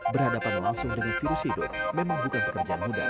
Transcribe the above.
berhadapan langsung dengan virus hidup memang bukan pekerjaan mudah